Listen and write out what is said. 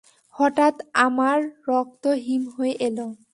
হঠাৎ আমার রক্ত হিম হয়ে এল।